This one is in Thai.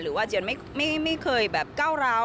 ว่าเจียนไม่เคยแบบก้าวร้าว